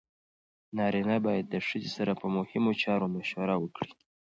نارینه باید د ښځې سره په مهمو چارو مشوره وکړي.